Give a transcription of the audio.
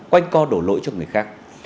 quanh co đổ lỗi cho người khác